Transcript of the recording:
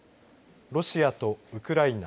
ロシアとウクライナ